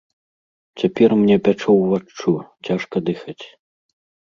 Цяпер мне пячэ ўваччу, цяжка дыхаць.